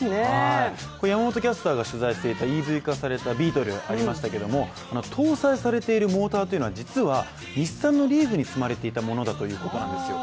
山本キャスターが取材していたＥＶ化されたビートルありましたけど搭載されているモーターというのは実は日産のリーフに詰まれていたものだということなんですよ。